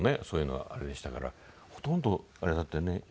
そういうのあれでしたからほとんどあれだったよね？